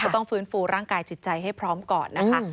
ต้องฟื้นฟูร่างกายจิตใจให้พร้อมก่อนนะคะ